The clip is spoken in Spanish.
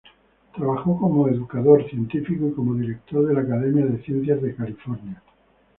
Trabajó como educador, científico y como director de la Academia de Ciencias de California.